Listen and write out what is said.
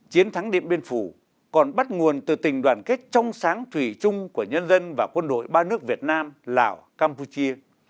chiến thắng điện biên phủ còn bắt nguồn từ tình đoàn kết trong sáng thủy chung của nhân dân và quân đội ba nước việt nam lào campuchia